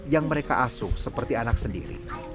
yang mereka asuh seperti anak sendiri